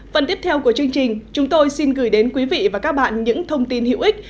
phần tiếp theo của chương trình chúng tôi xin gửi đến quý vị và các bạn những thông tin hữu ích